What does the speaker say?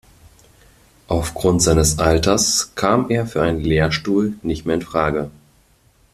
Aufgrund seines Alters kam er für einen Lehrstuhl nicht mehr in Frage.